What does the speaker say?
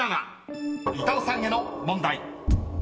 ［板尾さんへの問題］